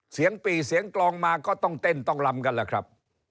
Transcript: ปี่เสียงกลองมาก็ต้องเต้นต้องลำกันแหละครับ